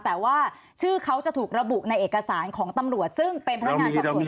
แปลว่าชื่อเขาจะถูกระบุในเอกสารของตำรวจซึ่งเป็นทางวัลส่วยกัดเข้าไปใช่ไหม